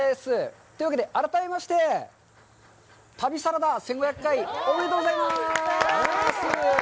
というわけで、改めまして、旅サラダ、１５００回おめでとうございます。